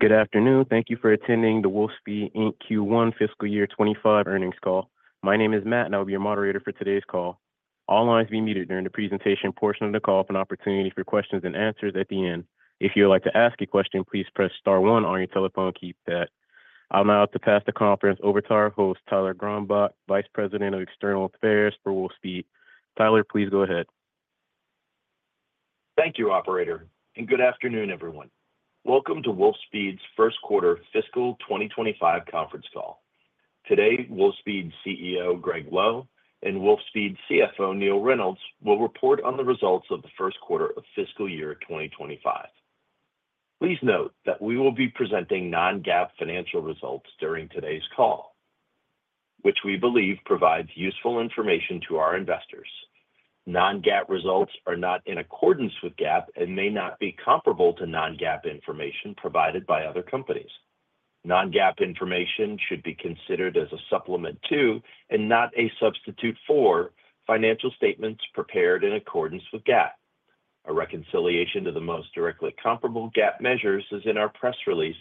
Good afternoon. Thank you for attending the Wolfspeed Inc. Q1 Fiscal Year 2025 earnings call. My name is Matt, and I'll be your moderator for today's call. All lines will be muted during the presentation portion of the call for an opportunity for questions and answers at the end. If you would like to ask a question, please press star one on your telephone and keypad. I'm now about to pass the conference over to our host, Tyler Gronbach, Vice President of External Affairs for Wolfspeed. Tyler, please go ahead. Thank you, Operator, and good afternoon, everyone. Welcome to Wolfspeed's first quarter fiscal 2025 conference call. Today, Wolfspeed CEO Gregg Lowe and Wolfspeed CFO Neill Reynolds will report on the results of the first quarter of fiscal year 2025. Please note that we will be presenting non-GAAP financial results during today's call, which we believe provides useful information to our investors. Non-GAAP results are not in accordance with GAAP and may not be comparable to non-GAAP information provided by other companies. Non-GAAP information should be considered as a supplement to and not a substitute for financial statements prepared in accordance with GAAP. A reconciliation to the most directly comparable GAAP measures is in our press release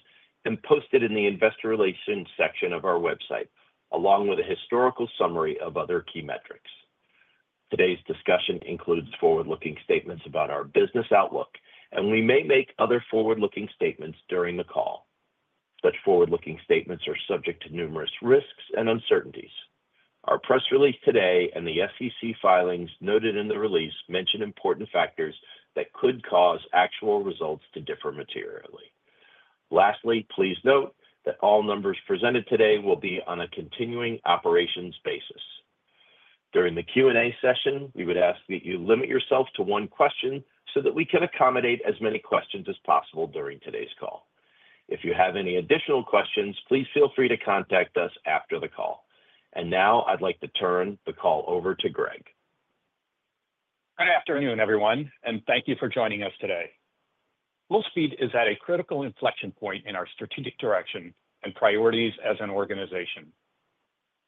and posted in the investor relations section of our website, along with a historical summary of other key metrics. Today's discussion includes forward-looking statements about our business outlook, and we may make other forward-looking statements during the call. Such forward-looking statements are subject to numerous risks and uncertainties. Our press release today and the SEC filings noted in the release mention important factors that could cause actual results to differ materially. Lastly, please note that all numbers presented today will be on a continuing operations basis. During the Q&A session, we would ask that you limit yourself to one question so that we can accommodate as many questions as possible during today's call. If you have any additional questions, please feel free to contact us after the call, and now I'd like to turn the call over to Gregg. Good afternoon, everyone, and thank you for joining us today. Wolfspeed is at a critical inflection point in our strategic direction and priorities as an organization.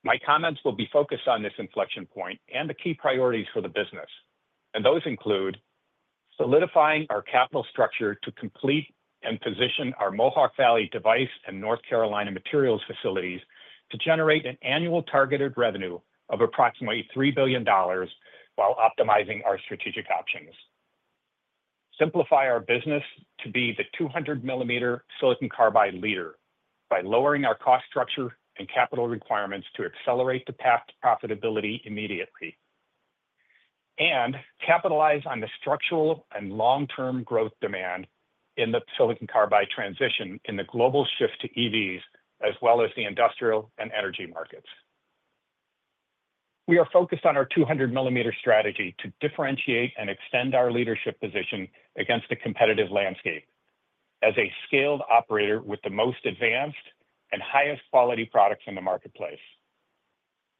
My comments will be focused on this inflection point and the key priorities for the business, and those include solidifying our capital structure to complete and position our Mohawk Valley device and North Carolina materials facilities to generate an annual targeted revenue of approximately $3 billion while optimizing our strategic options, simplify our business to be the 200-millimeter silicon carbide leader by lowering our cost structure and capital requirements to accelerate the path to profitability immediately, and capitalize on the structural and long-term growth demand in the silicon carbide transition in the global shift to EVs, as well as the industrial and energy markets. We are focused on our 200-millimeter strategy to differentiate and extend our leadership position against the competitive landscape as a scaled operator with the most advanced and highest quality products in the marketplace.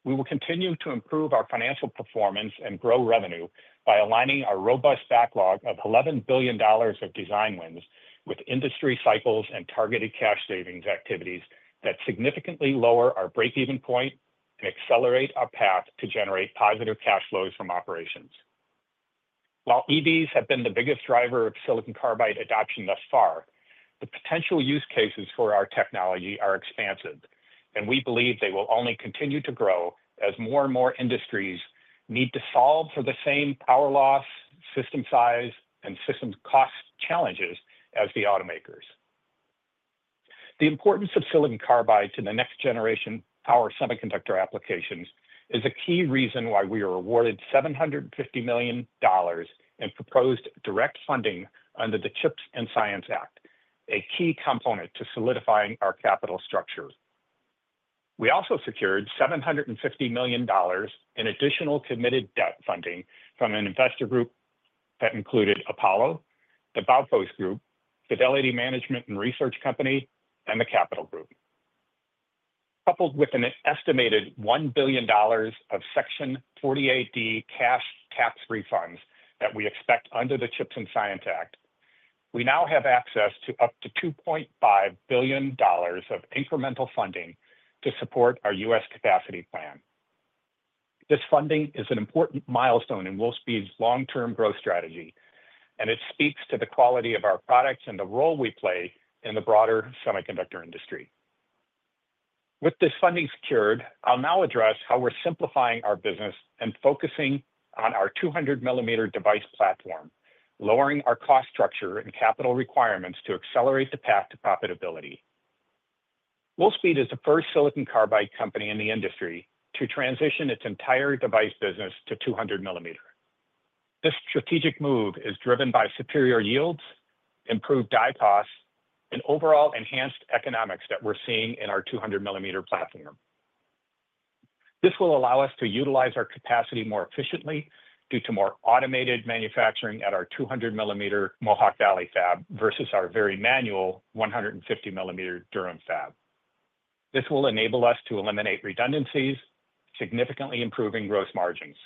We will continue to improve our financial performance and grow revenue by aligning our robust backlog of $11 billion of design wins with industry cycles and targeted cash savings activities that significantly lower our break-even point and accelerate our path to generate positive cash flows from operations. While EVs have been the biggest driver of silicon carbide adoption thus far, the potential use cases for our technology are expansive, and we believe they will only continue to grow as more and more industries need to solve for the same power loss, system size, and system cost challenges as the automakers. The importance of silicon carbide to the next generation power semiconductor applications is a key reason why we are awarded $750 million in proposed direct funding under the CHIPS and Science Act, a key component to solidifying our capital structure. We also secured $750 million in additional committed debt funding from an investor group that included Apollo, The Baupost Group, Fidelity Management and Research Company, and The Capital Group, coupled with an estimated $1 billion of Section 48D cash tax refunds that we expect under the CHIPS and Science Act. We now have access to up to $2.5 billion of incremental funding to support our U.S. capacity plan. This funding is an important milestone in Wolfspeed's long-term growth strategy, and it speaks to the quality of our products and the role we play in the broader semiconductor industry. With this funding secured, I'll now address how we're simplifying our business and focusing on our 200-millimeter device platform, lowering our cost structure and capital requirements to accelerate the path to profitability. Wolfspeed is the first silicon carbide company in the industry to transition its entire device business to 200-millimeter. This strategic move is driven by superior yields, improved die costs, and overall enhanced economics that we're seeing in our 200-millimeter platform. This will allow us to utilize our capacity more efficiently due to more automated manufacturing at our 200-millimeter Mohawk Valley fab versus our very manual 150-millimeter Durham fab. This will enable us to eliminate redundancies, significantly improving gross margins.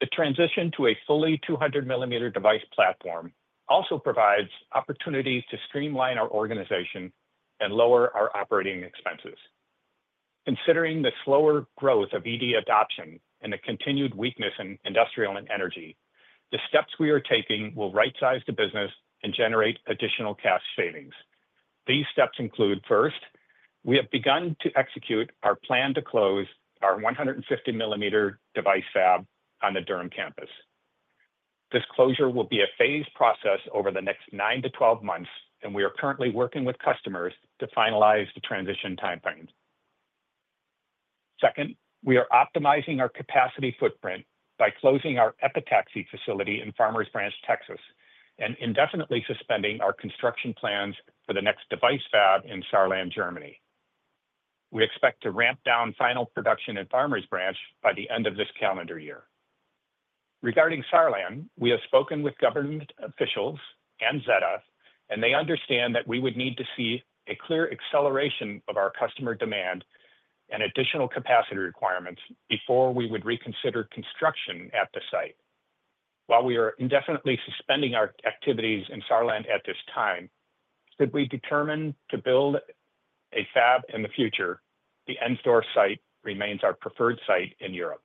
The transition to a fully 200-millimeter device platform also provides opportunities to streamline our organization and lower our operating expenses. Considering the slower growth of EV adoption and the continued weakness in industrial and energy, the steps we are taking will right-size the business and generate additional cash savings. These steps include: first, we have begun to execute our plan to close our 150-millimeter device fab on the Durham campus. This closure will be a phased process over the next nine to 12 months, and we are currently working with customers to finalize the transition timeframe. Second, we are optimizing our capacity footprint by closing our epitaxy facility in Farmers Branch, Texas, and indefinitely suspending our construction plans for the next device fab in Saarland, Germany. We expect to ramp down final production in Farmers Branch by the end of this calendar year. Regarding Saarland, we have spoken with government officials and ZF Friedrichshafen, and they understand that we would need to see a clear acceleration of our customer demand and additional capacity requirements before we would reconsider construction at the site. While we are indefinitely suspending our activities in Saarland at this time, should we determine to build a fab in the future, the Ensdorf site remains our preferred site in Europe.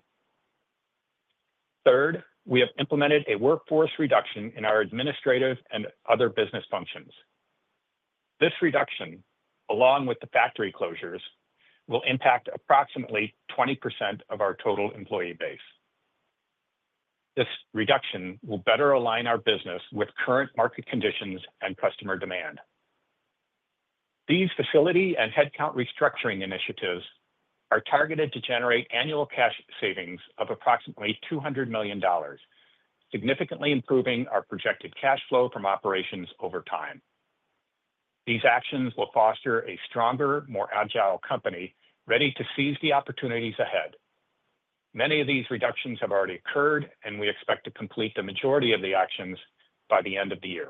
Third, we have implemented a workforce reduction in our administrative and other business functions. This reduction, along with the factory closures, will impact approximately 20% of our total employee base. This reduction will better align our business with current market conditions and customer demand. These facility and headcount restructuring initiatives are targeted to generate annual cash savings of approximately $200 million, significantly improving our projected cash flow from operations over time. These actions will foster a stronger, more agile company ready to seize the opportunities ahead. Many of these reductions have already occurred, and we expect to complete the majority of the actions by the end of the year.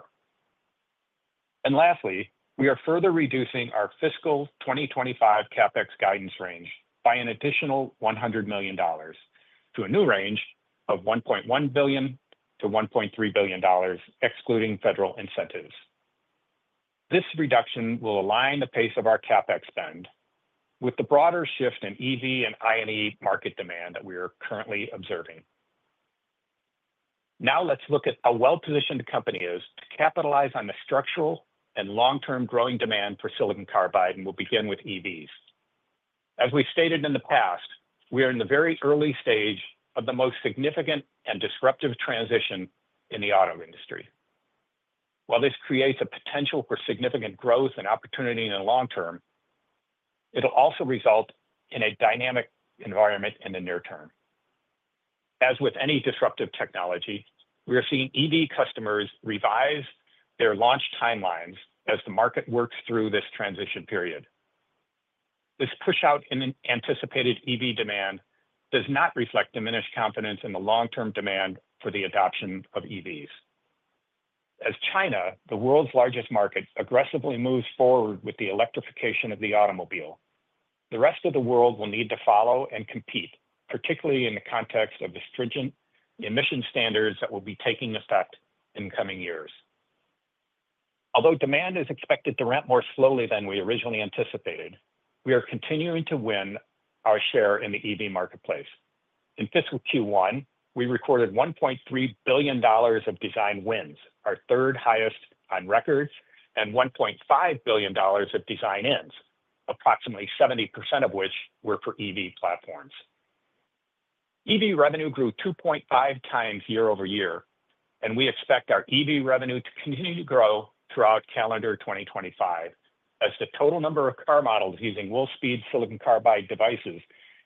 And lastly, we are further reducing our fiscal 2025 CapEx guidance range by an additional $100 million to a new range of $1.1 billion-$1.3 billion, excluding federal incentives. This reduction will align the pace of our CapEx spend with the broader shift in EV and I&E market demand that we are currently observing. Now let's look at how well-positioned a company is to capitalize on the structural and long-term growing demand for silicon carbide, and we'll begin with EVs. As we've stated in the past, we are in the very early stage of the most significant and disruptive transition in the auto industry. While this creates a potential for significant growth and opportunity in the long term, it'll also result in a dynamic environment in the near term. As with any disruptive technology, we are seeing EV customers revise their launch timelines as the market works through this transition period. This push out in anticipated EV demand does not reflect diminished confidence in the long-term demand for the adoption of EVs. As China, the world's largest market, aggressively moves forward with the electrification of the automobile, the rest of the world will need to follow and compete, particularly in the context of the stringent emission standards that will be taking effect in the coming years. Although demand is expected to ramp more slowly than we originally anticipated, we are continuing to win our share in the EV marketplace. In fiscal Q1, we recorded $1.3 billion of design wins, our third highest on record, and $1.5 billion of design ends, approximately 70% of which were for EV platforms. EV revenue grew 2.5 times year over year, and we expect our EV revenue to continue to grow throughout calendar 2025 as the total number of car models using Wolfspeed silicon carbide devices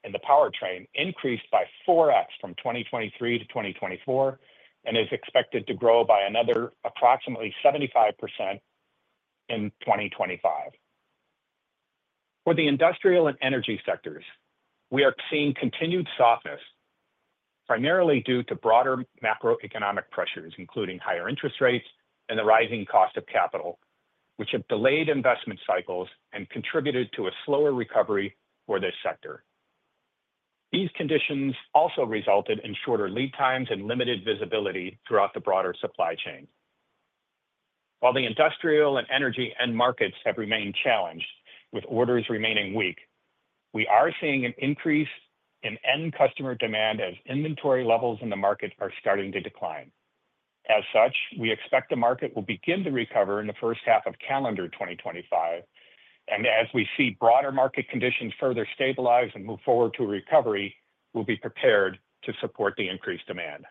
in the powertrain increased by 4x from 2023 to 2024 and is expected to grow by another approximately 75% in 2025. For the industrial and energy sectors, we are seeing continued softness, primarily due to broader macroeconomic pressures, including higher interest rates and the rising cost of capital, which have delayed investment cycles and contributed to a slower recovery for this sector. These conditions also resulted in shorter lead times and limited visibility throughout the broader supply chain. While the industrial and energy end markets have remained challenged, with orders remaining weak, we are seeing an increase in end customer demand as inventory levels in the market are starting to decline. As such, we expect the market will begin to recover in the first half of calendar 2025, and as we see broader market conditions further stabilize and move forward to recovery, we'll be prepared to support the increased demand.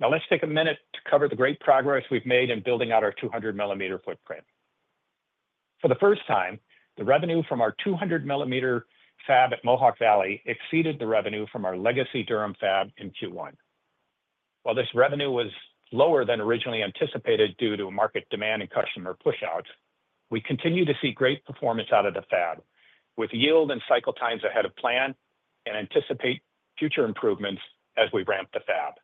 Now let's take a minute to cover the great progress we've made in building out our 200-millimeter footprint. For the first time, the revenue from our 200-millimeter fab at Mohawk Valley exceeded the revenue from our legacy Durham fab in Q1. While this revenue was lower than originally anticipated due to market demand and customer push outs, we continue to see great performance out of the fab with yield and cycle times ahead of plan and anticipate future improvements as we ramp the fab.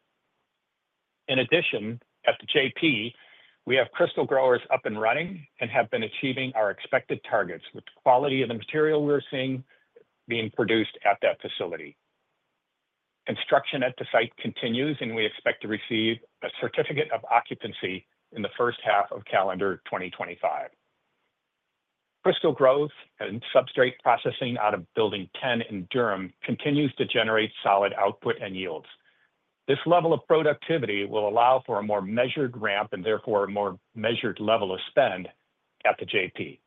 In addition, at the JP, we have crystal growers up and running and have been achieving our expected targets with quality of the material we're seeing being produced at that facility. Construction at the site continues, and we expect to receive a certificate of occupancy in the first half of calendar 2025. crystal growth and substrate processing out of Building 10 in Durham continues to generate solid output and yields. This level of productivity will allow for a more measured ramp and therefore a more measured level of spend at the JP.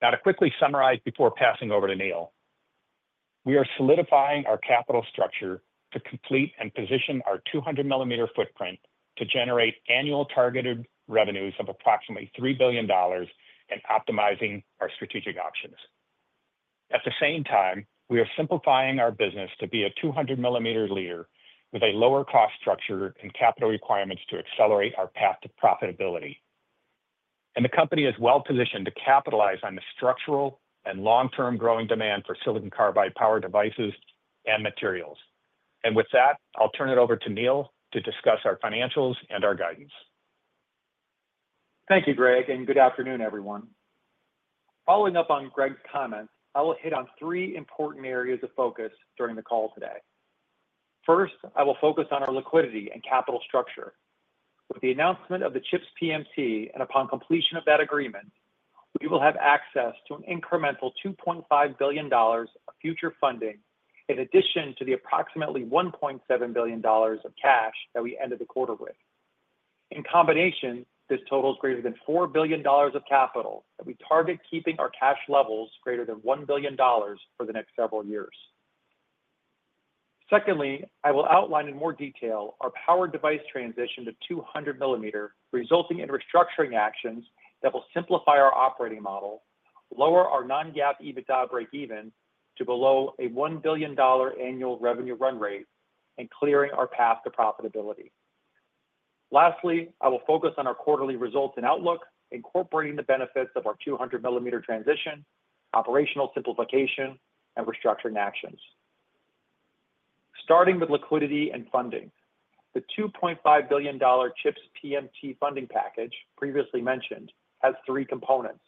Now to quickly summarize before passing over to Neill. We are solidifying our capital structure to complete and position our 200-millimeter footprint to generate annual targeted revenues of approximately $3 billion and optimizing our strategic options. At the same time, we are simplifying our business to be a 200-millimeter leader with a lower cost structure and capital requirements to accelerate our path to profitability, and the company is well positioned to capitalize on the structural and long-term growing demand for silicon carbide power devices and materials, and with that, I'll turn it over to Neill to discuss our financials and our guidance. Thank you, Gregg, and good afternoon, everyone. Following up on Gregg's comments, I will hit on three important areas of focus during the call today. First, I will focus on our liquidity and capital structure. With the announcement of the CHIPS PMT and upon completion of that agreement, we will have access to an incremental $2.5 billion of future funding in addition to the approximately $1.7 billion of cash that we ended the quarter with. In combination, this totals greater than $4 billion of capital that we target keeping our cash levels greater than $1 billion for the next several years. Secondly, I will outline in more detail our power device transition to 200-millimeter, resulting in restructuring actions that will simplify our operating model, lower our non-GAAP EBITDA break-even to below a $1 billion annual revenue run rate, and clearing our path to profitability. Lastly, I will focus on our quarterly results and outlook, incorporating the benefits of our 200-millimeter transition, operational simplification, and restructuring actions. Starting with liquidity and funding, the $2.5 billion CHIPS PMT funding package previously mentioned has three components: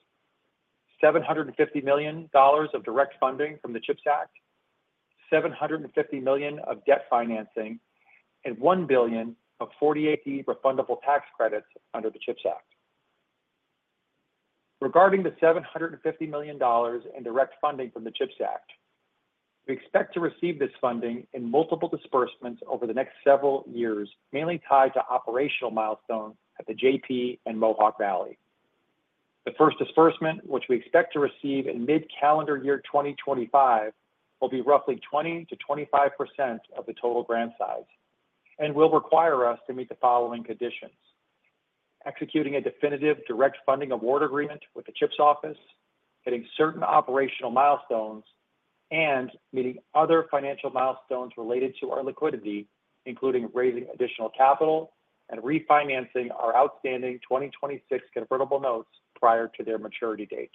$750 million of direct funding from the CHIPS Act, $750 million of debt financing, and $1 billion of 48D refundable tax credits under the CHIPS Act. Regarding the $750 million in direct funding from the CHIPS Act, we expect to receive this funding in multiple disbursements over the next several years, mainly tied to operational milestones at the JP and Mohawk Valley. The first disbursement, which we expect to receive in mid-calendar year 2025, will be roughly 20%-25% of the total grant size and w ill require us to meet the following conditions: executing a definitive direct funding award agreement with the CHIPS Office, hitting certain operational milestones, and meeting other financial milestones related to our liquidity, including raising additional capital and refinancing our outstanding 2026 convertible notes prior to their maturity date.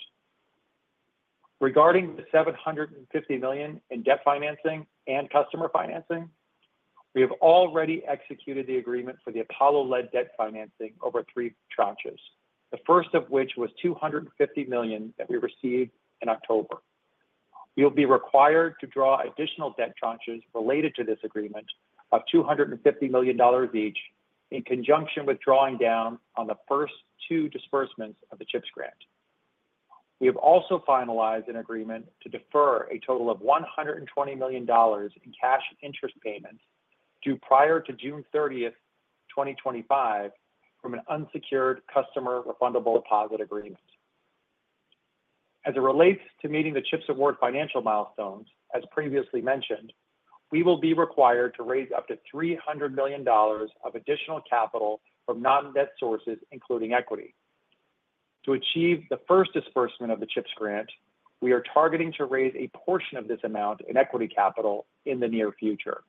Regarding the $750 million in debt financing and customer financing, we have already executed the agreement for the Apollo-led debt financing over three tranches, the first of which was $250 million that we received in October. We will be required to draw additional debt tranches related to this agreement of $250 million each in conjunction with drawing down on the first two disbursements of the CHIPS grant. We have also finalized an agreement to defer a total of $120 million in cash interest payments due prior to June 30, 2025, from an unsecured customer refundable deposit agreement. As it relates to meeting the CHIPS award financial milestones, as previously mentioned, we will be required to raise up to $300 million of additional capital from non-debt sources, including equity. To achieve the first disbursement of the CHIPS grant, we are targeting to raise a portion of this amount in equity capital in the near future.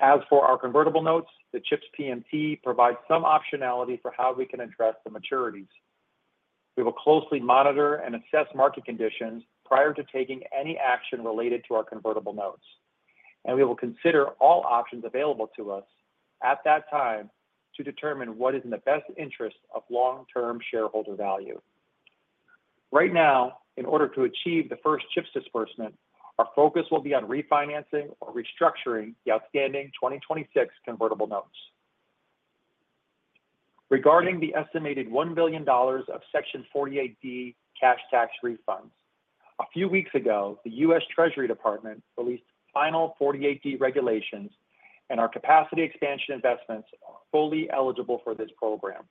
As for our convertible notes, the CHIPS PMT provides some optionality for how we can address the maturities. We will closely monitor and assess market conditions prior to taking any action related to our convertible notes, and we will consider all options available to us at that time to determine what is in the best interest of long-term shareholder value. Right now, in order to achieve the first CHIPS disbursement, our focus will be on refinancing or restructuring the outstanding 2026 convertible notes. Regarding the estimated $1 billion of Section 48D cash tax refunds, a few weeks ago, the U.S. Department of the Treasury released final 48D regulations, and our capacity expansion investments are fully eligible for this program.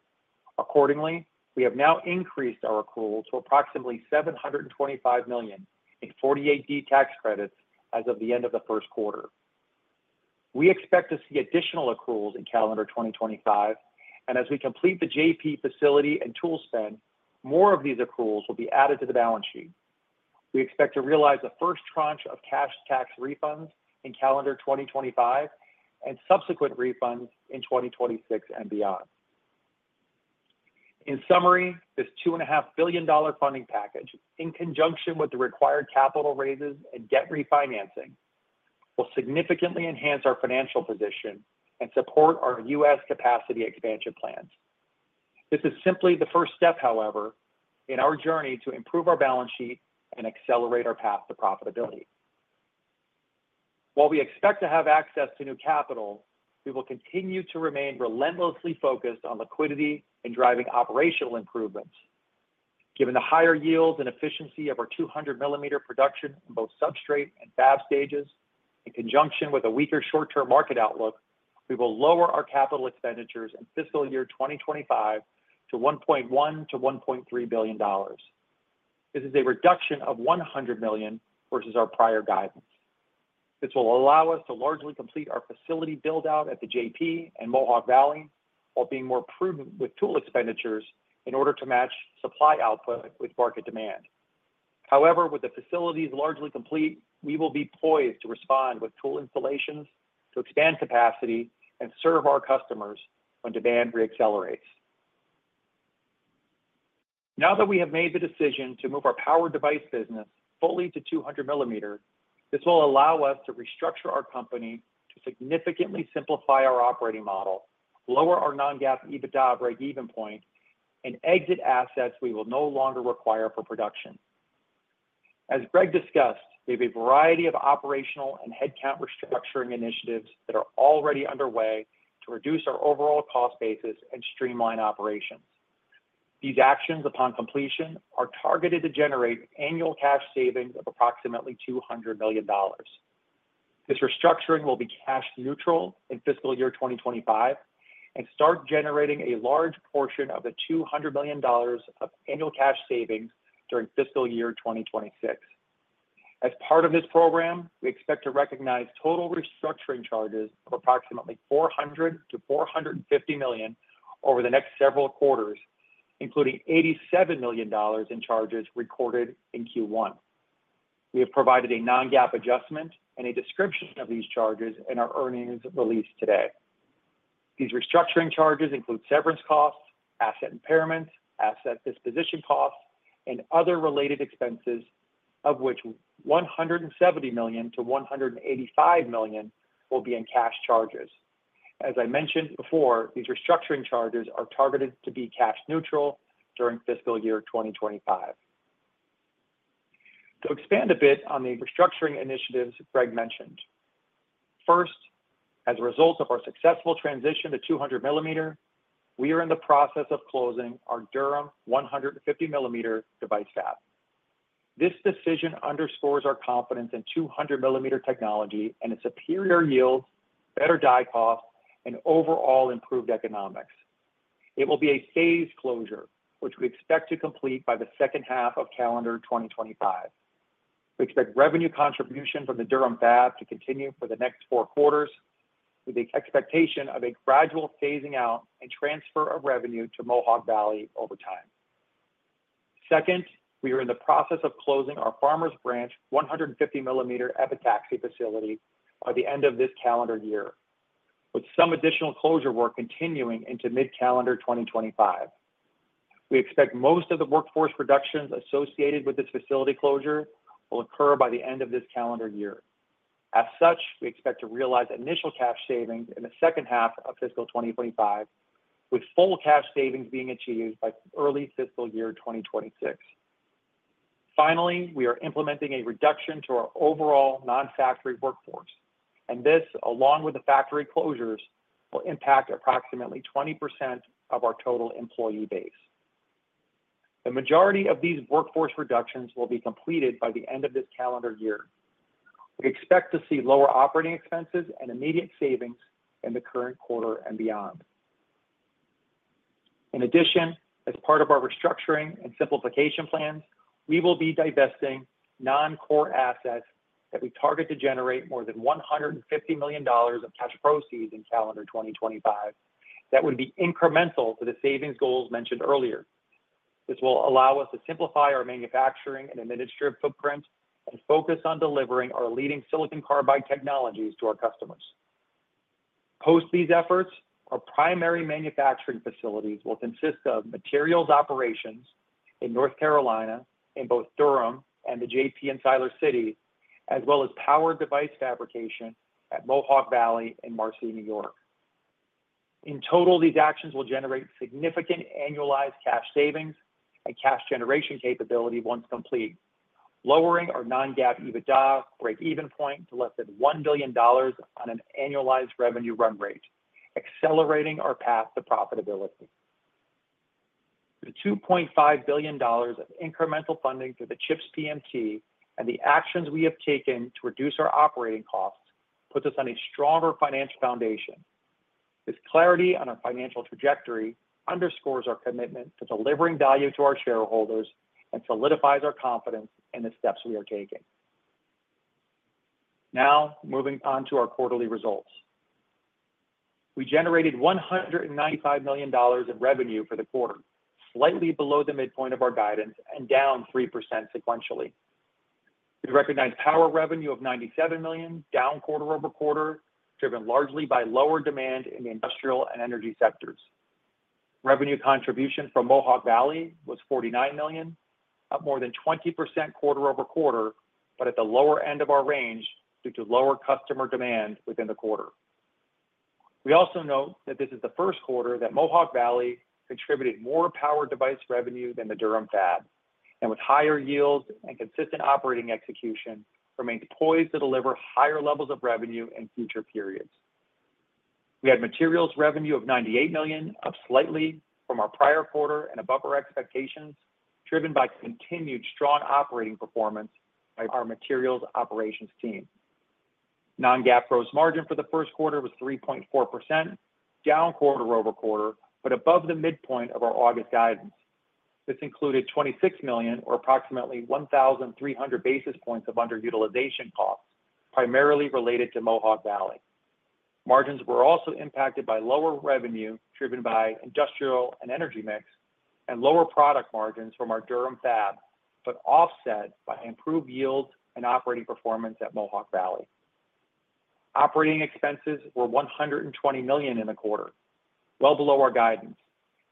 Accordingly, we have now increased our accrual to approximately $725 million in 48D tax credits as of the end of the first quarter. We expect to see additional accruals in calendar 2025, and as we complete the JP facility and tool spend, more of these accruals will be added to the balance sheet. We expect to realize the first tranche of cash tax refunds in calendar 2025 and subsequent refunds in 2026 and beyond. In summary, this $2.5 billion funding package, in conjunction with the required capital raises and debt refinancing, will significantly enhance our financial position and support our U.S. capacity expansion plans. This is simply the first step, however, in our journey to improve our balance sheet and accelerate our path to profitability. While we expect to have access to new capital, we will continue to remain relentlessly focused on liquidity and driving operational improvements. Given the higher yields and efficiency of our 200-millimeter production in both substrate and fab stages, in conjunction with a weaker short-term market outlook, we will lower our capital expenditures in fiscal year 2025 to $1.1-$1.3 billion. This is a reduction of $100 million versus our prior guidance. This will allow us to largely complete our facility build-out at the JP and Mohawk Valley while being more prudent with tool expenditures in order to match supply output with market demand. However, with the facilities largely complete, we will be poised to respond with tool installations to expand capacity and serve our customers when demand reaccelerates. Now that we have made the decision to move our power device business fully to 200-millimeter, this will allow us to restructure our company to significantly simplify our operating model, lower our non-GAAP EBITDA break-even point, and exit assets we will no longer require for production. As Gregg discussed, we have a variety of operational and headcount restructuring initiatives that are already underway to reduce our overall cost basis and streamline operations. These actions, upon completion, are targeted to generate annual cash savings of approximately $200 million. This restructuring will be cash neutral in fiscal year 2025 and start generating a large portion of the $200 million of annual cash savings during fiscal year 2026. As part of this program, we expect to recognize total restructuring charges of approximately $400-$450 million over the next several quarters, including $87 million in charges recorded in Q1. We have provided a non-GAAP adjustment and a description of these charges in our earnings release today. These restructuring charges include severance costs, asset impairments, asset disposition costs, and other related expenses, of which $170-$185 million will be in cash charges. As I mentioned before, these restructuring charges are targeted to be cash neutral during fiscal year 2025. To expand a bit on the restructuring initiatives Gregg mentioned, first, as a result of our successful transition to 200-millimeter, we are in the process of closing our Durham 150-millimeter device fab. This decision underscores our confidence in 200-millimeter technology and its superior yields, better die costs, and overall improved economics. It will be a phased closure, which we expect to complete by the second half of calendar 2025. We expect revenue contribution from the Durham fab to continue for the next four quarters, with the expectation of a gradual phasing out and transfer of revenue to Mohawk Valley over time. Second, we are in the process of closing our Farmers Branch 150-millimeter epitaxy facility by the end of this calendar year, with some additional closure work continuing into mid-calendar 2025. We expect most of the workforce reductions associated with this facility closure will occur by the end of this calendar year. As such, we expect to realize initial cash savings in the second half of fiscal 2025, with full cash savings being achieved by early fiscal year 2026. Finally, we are implementing a reduction to our overall non-factory workforce, and this, along with the factory closures, will impact approximately 20% of our total employee base. The majority of these workforce reductions will be completed by the end of this calendar year. We expect to see lower operating expenses and immediate savings in the current quarter and beyond. In addition, as part of our restructuring and simplification plans, we will be divesting non-core assets that we target to generate more than $150 million of cash proceeds in calendar 2025 that would be incremental to the savings goals mentioned earlier. This will allow us to simplify our manufacturing and administrative footprint and focus on delivering our leading silicon carbide technologies to our customers. Post these efforts, our primary manufacturing facilities will consist of materials operations in North Carolina in both Durham and the JP in Siler City, as well as power device fabrication at Mohawk Valley in Marcy, New York. In total, these actions will generate significant annualized cash savings and cash generation capability once complete, lowering our non-GAAP EBITDA break-even point to less than $1 billion on an annualized revenue run rate, accelerating our path to profitability. The $2.5 billion of incremental funding through the CHIPS PMT and the actions we have taken to reduce our operating costs puts us on a stronger financial foundation. This clarity on our financial trajectory underscores our commitment to delivering value to our shareholders and solidifies our confidence in the steps we are taking. Now, moving on to our quarterly results. We generated $195 million in revenue for the quarter, slightly below the midpoint of our guidance and down 3% sequentially. We recognize power revenue of $97 million, down quarter over quarter, driven largely by lower demand in the industrial and energy sectors. Revenue contribution from Mohawk Valley was $49 million, up more than 20% quarter over quarter, but at the lower end of our range due to lower customer demand within the quarter. We also note that this is the first quarter that Mohawk Valley contributed more power device revenue than the Durham fab, and with higher yields and consistent operating execution, remains poised to deliver higher levels of revenue in future periods. We had materials revenue of $98 million, up slightly from our prior quarter and above our expectations, driven by continued strong operating performance by our materials operations team. Non-GAAP gross margin for the first quarter was 3.4%, down quarter over quarter, but above the midpoint of our August guidance. This included $26 million, or approximately 1,300 basis points of underutilization costs, primarily related to Mohawk Valley. Margins were also impacted by lower revenue driven by industrial and energy mix and lower product margins from our Durham fab, but offset by improved yields and operating performance at Mohawk Valley. Operating expenses were $120 million in the quarter, well below our guidance,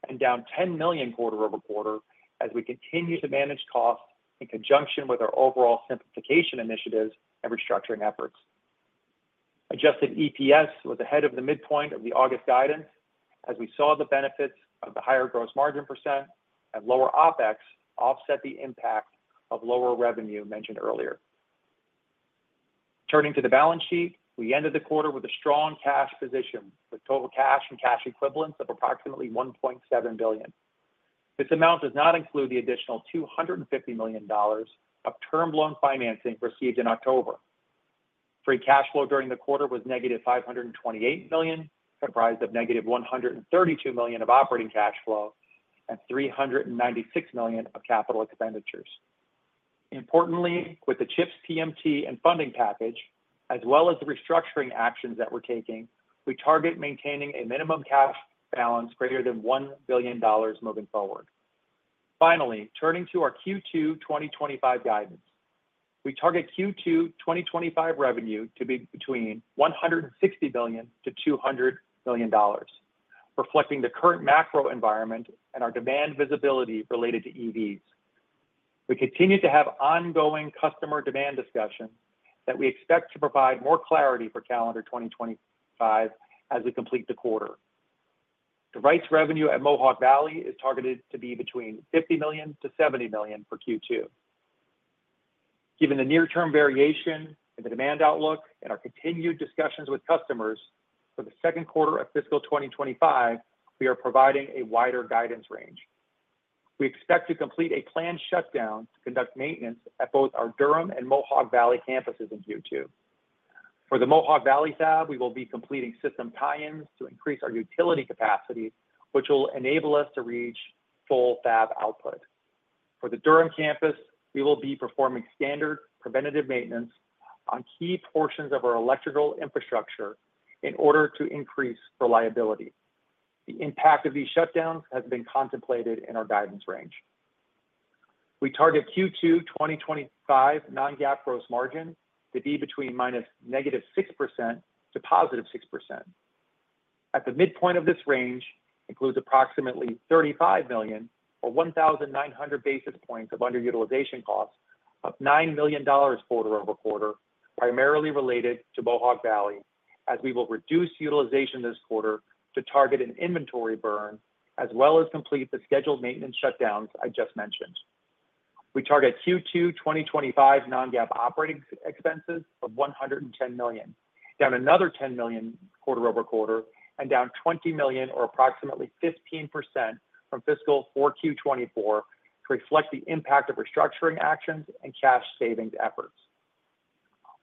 and down $10 million quarter over quarter as we continue to manage costs in conjunction with our overall simplification initiatives and restructuring efforts. Adjusted EPS was ahead of the midpoint of the August guidance, as we saw the benefits of the higher gross margin % and lower OPEX offset the impact of lower revenue mentioned earlier. Turning to the balance sheet, we ended the quarter with a strong cash position, with total cash and cash equivalents of approximately $1.7 billion. This amount does not include the additional $250 million of term loan financing received in October. Free cash flow during the quarter was negative $528 million, comprised of negative $132 million of operating cash flow and $396 million of capital expenditures. Importantly, with the CHIPS PMT and funding package, as well as the restructuring actions that we're taking, we target maintaining a minimum cash balance greater than $1 billion moving forward. Finally, turning to our Q2 2025 guidance, we target Q2 2025 revenue to be between $160-$200 million, reflecting the current macro environment and our demand visibility related to EVs. We continue to have ongoing customer demand discussions that we expect to provide more clarity for calendar 2025 as we complete the quarter. Device revenue at Mohawk Valley is targeted to be between $50-$70 million for Q2. Given the near-term variation in the demand outlook and our continued discussions with customers, for the second quarter of fiscal 2025, we are providing a wider guidance range. We expect to complete a planned shutdown to conduct maintenance at both our Durham and Mohawk Valley campuses in Q2. For the Mohawk Valley fab, we will be completing system tie-ins to increase our utility capacity, which will enable us to reach full fab output. For the Durham campus, we will be performing standard preventative maintenance on key portions of our electrical infrastructure in order to increase reliability. The impact of these shutdowns has been contemplated in our guidance range. We target Q2 2025 non-GAAP gross margin to be between negative 6% to positive 6%. At the midpoint of this range includes approximately $35 million, or 1,900 basis points of underutilization costs, up $9 million quarter over quarter, primarily related to Mohawk Valley, as we will reduce utilization this quarter to target an inventory burn, as well as complete the scheduled maintenance shutdowns I just mentioned. We target Q2 2025 non-GAAP operating expenses of $110 million, down another $10 million quarter over quarter, and down $20 million, or approximately 15% from fiscal 4Q24, to reflect the impact of restructuring actions and cash savings efforts.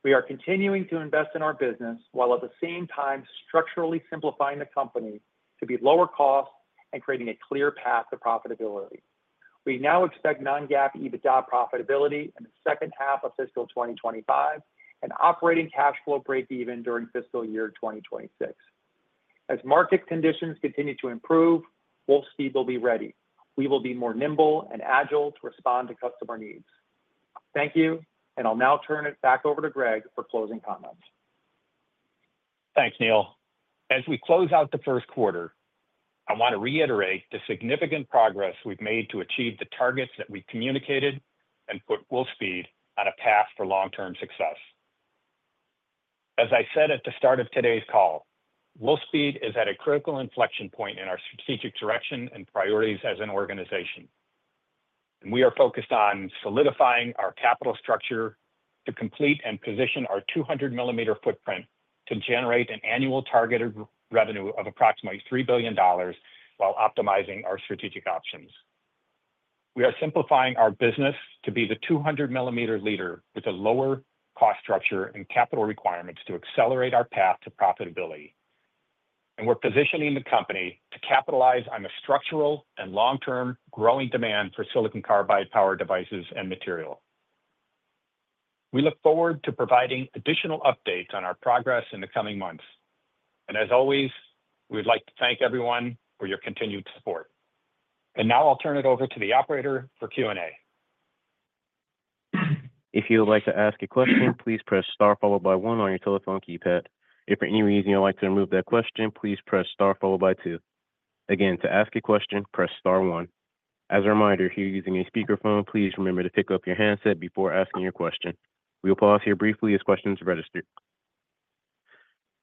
We are continuing to invest in our business while at the same time structurally simplifying the company to be lower cost and creating a clear path to profitability. We now expect non-GAAP EBITDA profitability in the second half of fiscal 2025 and operating cash flow break-even during fiscal year 2026. As market conditions continue to improve, Wolfspeed will be ready. We will be more nimble and agile to respond to customer needs. Thank you, and I'll now turn it back over to Gregg for closing comments. Thanks, Neill. As we close out the first quarter, I want to reiterate the significant progress we've made to achieve the targets that we've communicated and put Wolfspeed on a path for long-term success. As I said at the start of today's call, Wolfspeed is at a critical inflection point in our strategic direction and priorities as an organization. We are focused on solidifying our capital structure to complete and position our 200-millimeter footprint to generate an annual targeted revenue of approximately $3 billion while optimizing our strategic options. We are simplifying our business to be the 200-millimeter leader with a lower cost structure and capital requirements to accelerate our path to profitability. And we're positioning the company to capitalize on the structural and long-term growing demand for silicon carbide power devices and material. We look forward to providing additional updates on our progress in the coming months. And as always, we would like to thank everyone for your continued support. And now I'll turn it over to the operator for Q&A. If you would like to ask a question, please press Star followed by One on your telephone keypad. If for any reason you'd like to remove that question, please press Star followed by Two. Again, to ask a question, press star one. As a reminder, if you're using a speakerphone, please remember to pick up your handset before asking your question. We'll pause here briefly as questions are registered.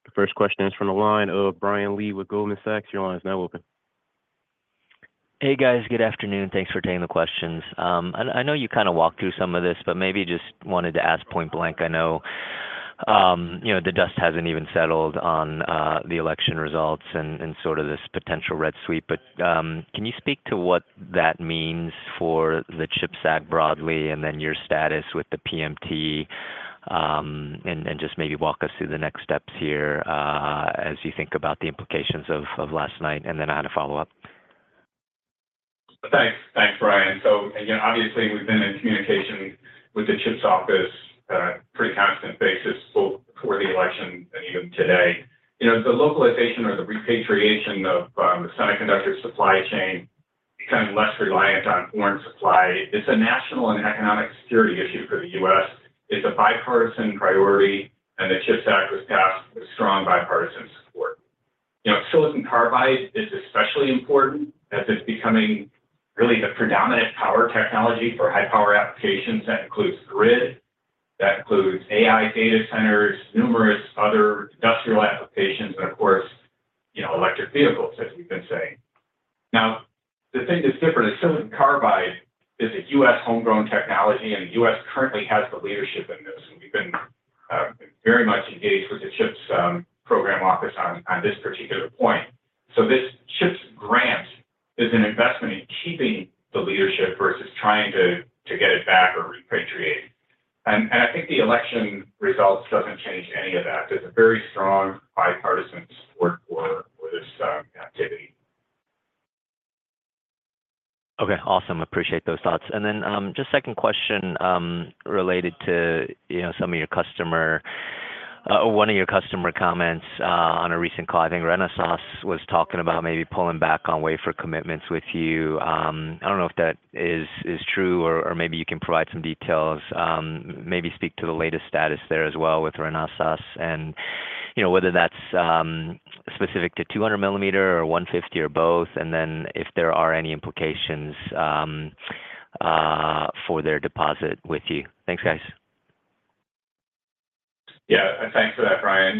The first question is from the line of Brian Lee with Goldman Sachs. Your line is now open. Hey, guys. Good afternoon. Thanks for taking the questions. I know you kind of walked through some of this, but maybe just wanted to ask point blank. I know the dust hasn't even settled on the election results and sort of this potential red sweep. But can you speak to what that means for the CHIPS Act broadly and then your status with the PMT and just maybe walk us through the next steps here as you think about the implications of last night? And then I had a follow-up. Thanks, Brian. So obviously, we've been in communication with the CHIPS office on a pretty constant basis for the election and even today. The localization or the repatriation of the semiconductor supply chain is kind of less reliant on foreign supply. It's a national and economic security issue for the U.S. It's a bipartisan priority, and the CHIPS Act was passed with strong bipartisan support. Silicon carbide is especially important as it's becoming really the predominant power technology for high-power applications. That includes grid. That includes AI data centers, numerous other industrial applications, and of course, electric vehicles, as we've been saying. Now, the thing that's different is silicon carbide is a U.S. homegrown technology, and the U.S. currently has the leadership in this. We've been very much engaged with the CHIPS program office on this particular point. So this CHIPS grant is an investment in keeping the leadership versus trying to get it back or repatriate. And I think the election results don't change any of that. There's a very strong bipartisan support for this activity. Okay. Awesome. Appreciate those thoughts. And then just second question related to some of your customer or one of your customer comments on a recent call. I think Renesas was talking about maybe pulling back on wafer commitments with you. I don't know if that is true or maybe you can provide some details. Maybe speak to the latest status there as well with Renesas and whether that's specific to 200-millimeter or 150-millimeter or both, and then if there are any implications for their deposit with you. Thanks, guys. Yeah. Thanks for that, Brian.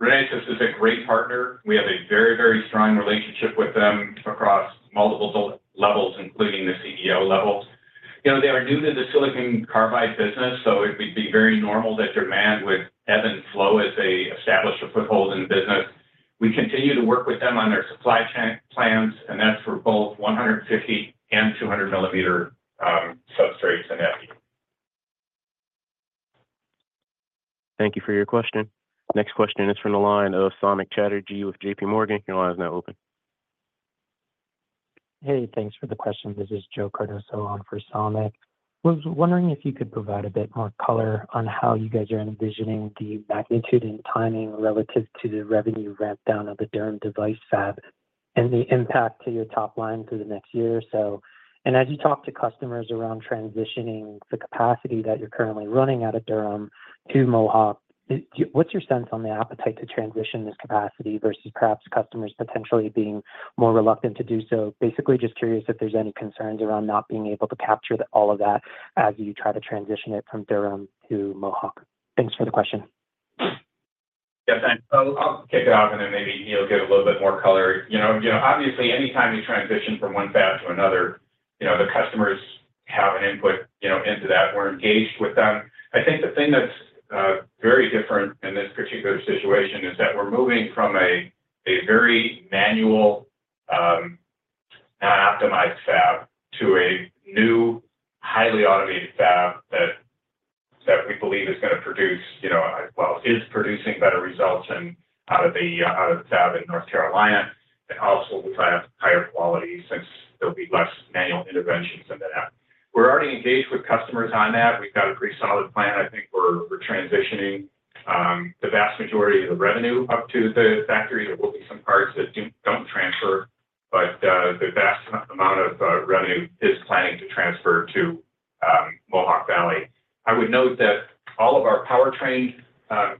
Renesas is a great partner. We have a very, very strong relationship with them across multiple levels, including the CEO level. They are new to the silicon carbide business, so it would be very normal that demand would ebb and flow as they establish a foothold in the business. We continue to work with them on their supply chain plans, and that's for both 150- and 200-millimeter and substrates epi. Thank you for your question. Next question is from the line of Samik Chatterjee with JPMorgan. Your line is now open. Hey, thanks for the question. This is Joe Cardoso on for Samik. I was wondering if you could provide a bit more color on how you guys are envisioning the magnitude and timing relative to the revenue ramp down of the Durham device fab and the impact to your top line for the next year or so. And as you talk to customers around transitioning the capacity that you're currently running out of Durham to Mohawk, what's your sense on the appetite to transition this capacity versus perhaps customers potentially being more reluctant to do so? Basically, just curious if there's any concerns around not being able to capture all of that as you try to transition it from Durham to Mohawk. Thanks for the question. Yeah. Thanks. I'll kick it off, and then maybe Neill will get a little bit more color. Obviously, anytime you transition from one fab to another, the customers have an input into that. We're engaged with them. I think the thing that's very different in this particular situation is that we're moving from a very manual, non-optimized fab to a new, highly automated fab that we believe is going to produce, well, is producing better results out of the fab in North Carolina and also will have higher quality since there'll be less manual interventions in the fab. We're already engaged with customers on that. We've got a pretty solid plan. I think we're transitioning the vast majority of the revenue up to the factory. There will be some parts that don't transfer, but the vast amount of revenue is planning to transfer to Mohawk Valley. I would note that all of our powertrain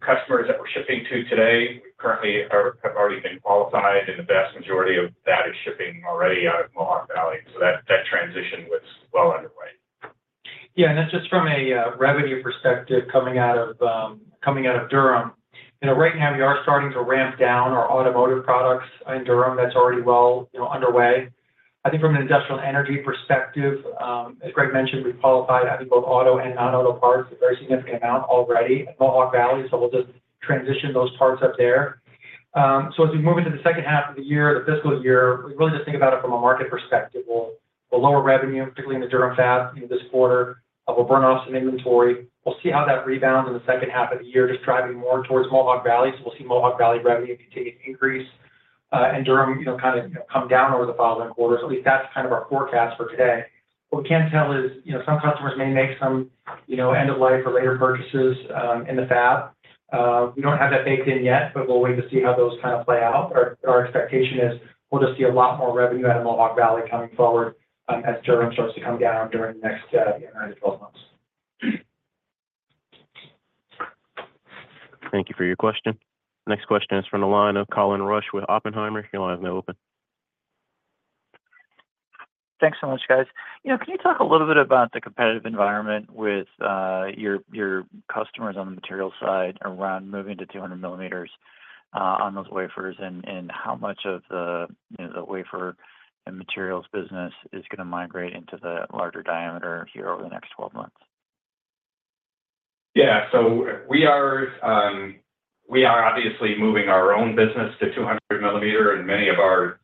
customers that we're shipping to today currently have already been qualified, and the vast majority of that is shipping already out of Mohawk Valley. So that transition was well underway. Yeah, and then just from a revenue perspective coming out of Durham, right now, we are starting to ramp down our automotive products in Durham. That's already well underway. I think from an industrial energy perspective, as Gregg mentioned, we've qualified, I think, both auto and non-auto parts a very significant amount already at Mohawk Valley, so we'll just transition those parts up there. So as we move into the second half of the year, the fiscal year, we really just think about it from a market perspective. We'll lower revenue, particularly in the Durham fab this quarter. We'll burn off some inventory. We'll see how that rebounds in the second half of the year, just driving more towards Mohawk Valley. So we'll see Mohawk Valley revenue continue to increase and Durham kind of come down over the following quarters. At least that's kind of our forecast for today. What we can tell is some customers may make some end-of-life or later purchases in the fab. We don't have that baked in yet, but we'll wait to see how those kind of play out. Our expectation is we'll just see a lot more revenue out of Mohawk Valley coming forward as Durham starts to come down during the next 9 to 12 months. Thank you for your question. Next question is from the line of Colin Rush with Oppenheimer. Your line is now open. Thanks so much, guys. Can you talk a little bit about the competitive environment with your customers on the materials side around moving to 200 millimeters on those wafers and how much of the wafer and materials business is going to migrate into the larger diameter here over the next 12 months? Yeah, we are obviously moving our own business to 200-millimeter, and many of our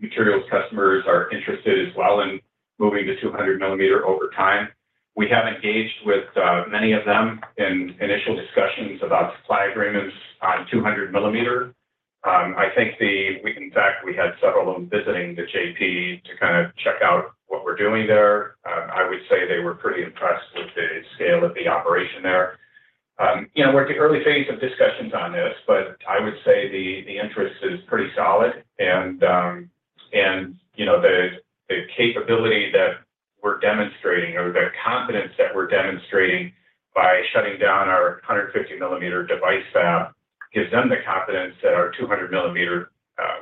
materials customers are interested as well in moving to 200-millimeter over time. We have engaged with many of them in initial discussions about supply agreements on 200-millimeter. I think, in fact, we had several of them visiting the JP to kind of check out what we're doing there. I would say they were pretty impressed with the scale of the operation there. We're at the early phase of discussions on this, but I would say the interest is pretty solid. And the capability that we're demonstrating or the confidence that we're demonstrating by shutting down our 150-millimeter device fab gives them the confidence that our 200-millimeter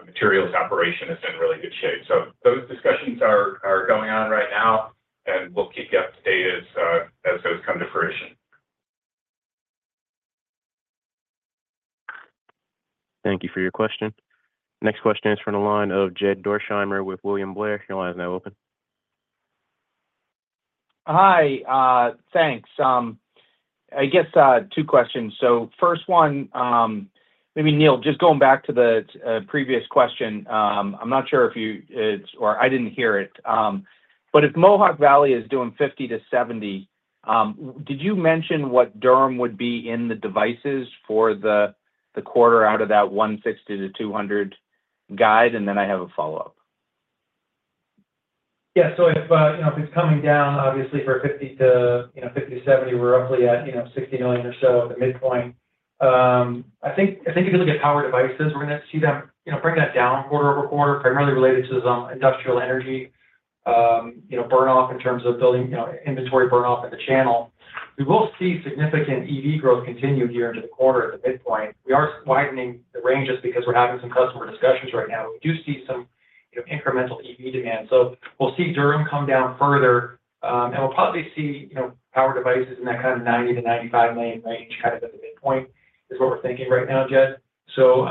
materials operation is in really good shape. So those discussions are going on right now, and we'll keep you up to date as those come to fruition. Thank you for your question. Next question is from the line of Jed Dorsheimer with William Blair. Your line is now open. Hi. Thanks. I guess two questions. So first one, maybe, Neill, just going back to the previous question, I'm not sure if you or I didn't hear it. But if Mohawk Valley is doing $50-$70 million, did you mention what Durham would be in the devices for the quarter out of that $150-$200 million guide? And then I have a follow-up. Yeah. So if it's coming down, obviously, for $50-$70 million, we're roughly at $60 million or so at the midpoint. I think if you look at power devices, we're going to see them bring that down quarter over quarter, primarily related to industrial energy burn-off in terms of building inventory burn-off in the channel. We will see significant EV growth continue here into the quarter at the midpoint. We are widening the range just because we're having some customer discussions right now. We do see some incremental EV demand. So we'll see Durham come down further, and we'll probably see power devices in that kind of $90 million-$95 million range kind of at the midpoint is what we're thinking right now, Jed. So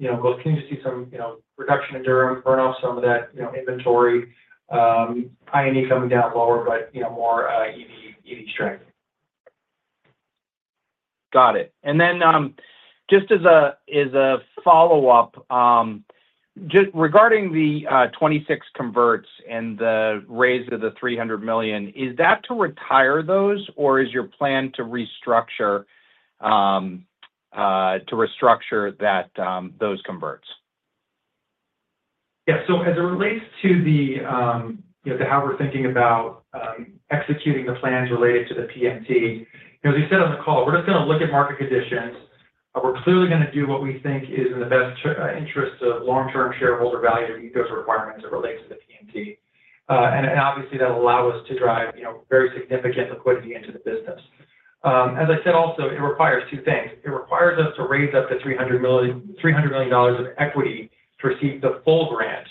we'll continue to see some reduction in Durham, burn off some of that inventory, I&E coming down lower, but more EV strength. Got it. And then just as a follow-up, regarding the 2026 converts and the raise of the $300 million, is that to retire those, or is your plan to restructure those converts? Yeah, so as it relates to how we're thinking about executing the plans related to the PMT, as we said on the call, we're just going to look at market conditions. We're clearly going to do what we think is in the best interest of long-term shareholder value and those requirements that relate to the PMT. And obviously, that'll allow us to drive very significant liquidity into the business. As I said also, it requires two things. It requires us to raise up to $300 million of equity to receive the full grant.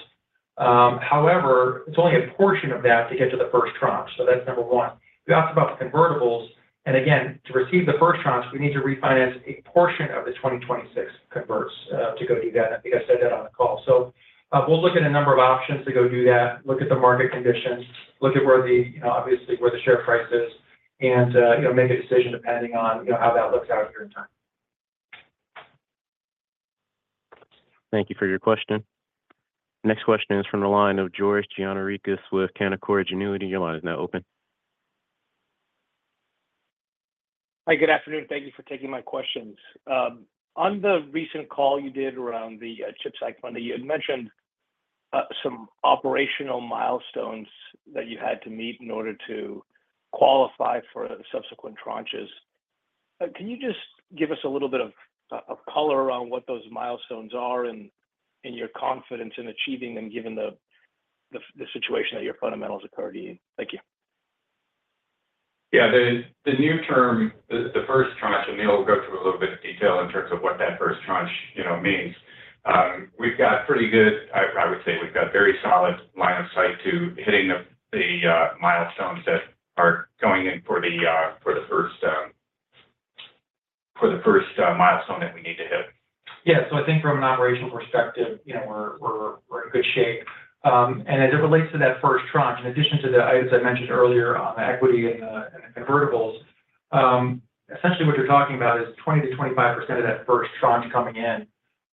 However, it's only a portion of that to get to the first tranche. So that's number one. You asked about the convertibles. And again, to receive the first tranche, we need to refinance a portion of the 2026 converts to go do that. I think I said that on the call. So we'll look at a number of options to go do that, look at the market conditions, look at, obviously, where the share price is, and make a decision depending on how that looks out here in time. Thank you for your question. Next question is from the line of George Gianarikas with Canaccord Genuity. Your line is now open. Hi. Good afternoon. Thank you for taking my questions. On the recent call you did around the CHIPS Act funding, you had mentioned some operational milestones that you had to meet in order to qualify for subsequent tranches. Can you just give us a little bit of color around what those milestones are and your confidence in achieving them given the situation that your fundamentals occurred in? Thank you. Yeah, the new term, the first tranche, and Neill will go through a little bit of detail in terms of what that first tranche means. We've got pretty good, I would say we've got very solid line of sight to hitting the milestones that are going in for the first milestone that we need to hit. Yeah, so I think from an operational perspective, we're in good shape, and as it relates to that first tranche, in addition to the items I mentioned earlier on the equity and the convertibles, essentially what you're talking about is 20%-25% of that first tranche coming in.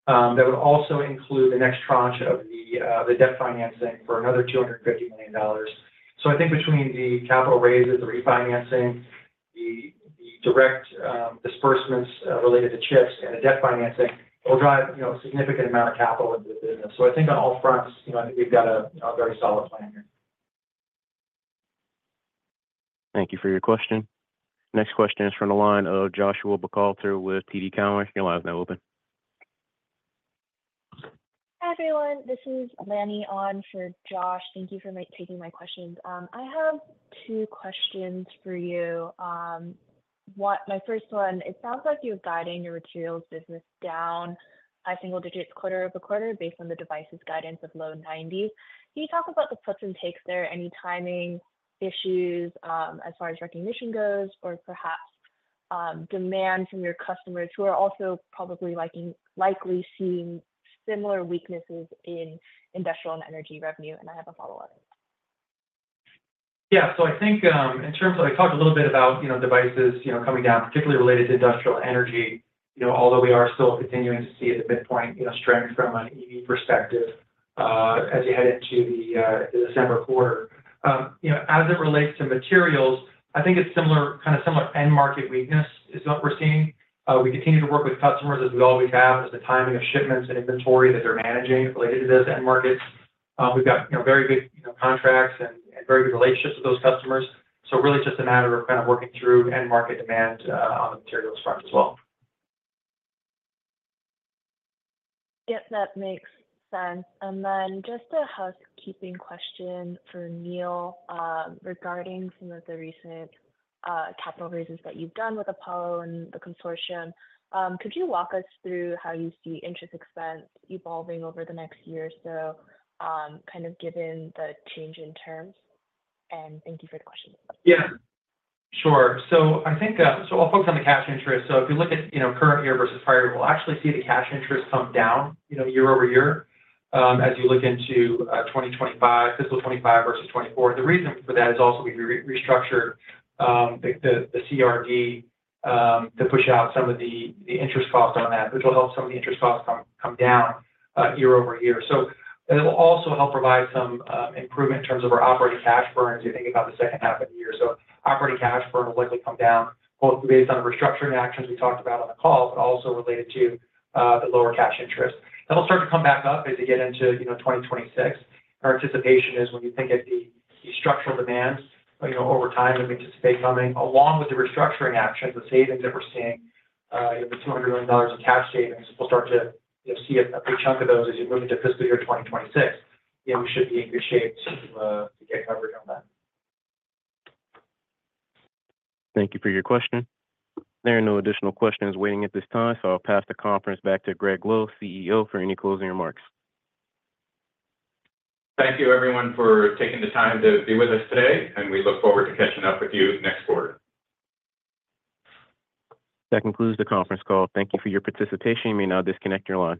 That would also include the next tranche of the debt financing for another $250 million, so I think between the capital raises, the refinancing, the direct disbursements related to CHIPS, and the debt financing, it will drive a significant amount of capital into the business. So I think on all fronts, I think we've got a very solid plan here. Thank you for your question. Next question is from the line of Joshua Buchalter with TD Cowen. Your line is now open. Hi, everyone. This is Lani Ong for Josh. Thank you for taking my questions. I have two questions for you. My first one, it sounds like you're guiding your materials business down by single digits quarter over quarter based on the device's guidance of low 90. Can you talk about the puts and takes there? Any timing issues as far as recognition goes or perhaps demand from your customers who are also probably likely seeing similar weaknesses in industrial and energy revenue? And I have a follow-up. Yeah, so I think in terms of I talked a little bit about devices coming down, particularly related to industrial energy, although we are still continuing to see at the midpoint strength from an EV perspective as you head into the December quarter. As it relates to materials, I think it's kind of similar end market weakness is what we're seeing. We continue to work with customers as we always have as the timing of shipments and inventory that they're managing related to those end markets. We've got very big contracts and very good relationships with those customers. So really just a matter of kind of working through end market demand on the materials front as well. Yep. That makes sense. And then just a housekeeping question for Neill regarding some of the recent capital raises that you've done with Apollo and the consortium. Could you walk us through how you see interest expense evolving over the next year or so, kind of given the change in terms? And thank you for the question. Yeah. Sure. So I'll focus on the cash interest. So if you look at current year versus prior, we'll actually see the cash interest come down year over year as you look into fiscal 2025 versus 2024. The reason for that is also we've restructured the CRD to push out some of the interest costs on that, which will help some of the interest costs come down year over year. So it will also help provide some improvement in terms of our operating cash burn as you think about the second half of the year. So operating cash burn will likely come down both based on the restructuring actions we talked about on the call, but also related to the lower cash interest. That'll start to come back up as you get into 2026. Our anticipation is when you think of the structural demands over time that we anticipate coming, along with the restructuring actions, the savings that we're seeing, the $200 million in cash savings, we'll start to see a big chunk of those as you move into fiscal year 2026. We should be in good shape to get coverage on that. Thank you for your question. There are no additional questions waiting at this time, so I'll pass the conference back to Gregg Lowe, CEO, for any closing remarks. Thank you, everyone, for taking the time to be with us today, and we look forward to catching up with you next quarter. That concludes the conference call. Thank you for your participation. You may now disconnect your line.